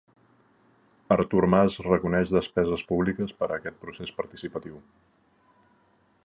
Artur Mas reconeix despeses públiques per a aquest procés participatiu